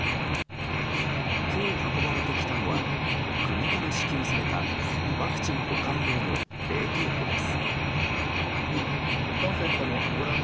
今日、運ばれてきたのは国から支給されたワクチン保管用の冷凍庫です。